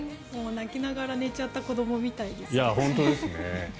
泣きながら寝ちゃった子どもみたいですね。